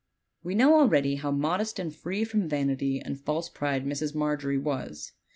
We know already how modest and free from vanity and false pride Mrs. Margery was.